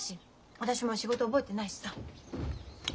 私も仕事覚えてないしさ。